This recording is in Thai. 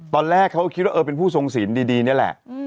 ตอนแรกเขาก็คิดว่าเออเป็นผู้ทรงสินดีนี่แหละ